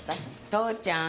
父ちゃん。